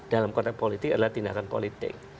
dalam konteks politik adalah tindakan politik